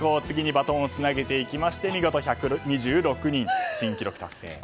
次にバトンをつなげていきまして見事１２６人、新記録達成。